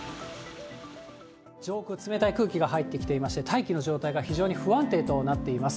上空冷たい空気が入ってきていまして、大気の状態が非常に不安定となっています。